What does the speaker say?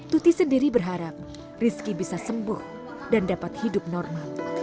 tuti sendiri berharap rizky bisa sembuh dan dapat hidup normal